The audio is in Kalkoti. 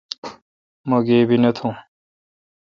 مہ گیبی نہ تھون۔